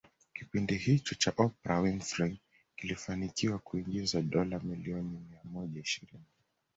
Kipindi hicho cha Oprah Winfrey kilifanikiwa kuingiza dola milioni mia moja ishirini